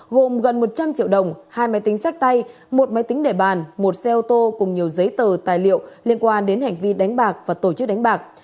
gồm gần một trăm linh triệu đồng hai máy tính sách tay một máy tính để bàn một xe ô tô cùng nhiều giấy tờ tài liệu liên quan đến hành vi đánh bạc và tổ chức đánh bạc